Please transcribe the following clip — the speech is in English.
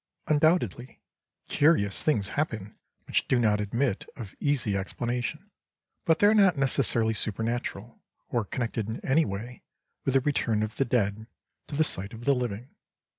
Undoubtedly curious things happen which do not admit of easy explanation, but they are not necessarily supernatural, or connected in any way with the return of the dead to the sight of the living.